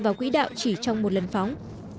và quỹ đạo chỉ trong một lần phóng